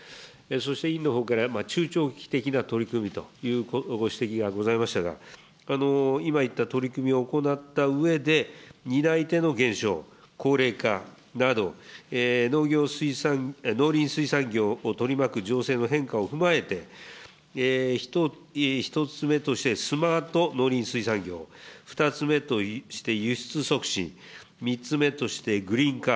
そして委員のほうから中長期的な取り組みというご指摘がございましたが、今言った取り組みを行ったうえで、担い手の減少、高齢化など、農林水産業を取り巻く情勢の変化を踏まえて、１つ目としてスマート農林水産業、２つ目として輸出促進、３つ目としてグリーン化、